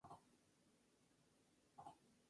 Hay una amplia variedad de cultivares disponibles.